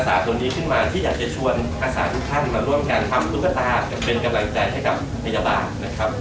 ทำลูกตาเป็นกำลังใจให้กับพยาบาลนะครับ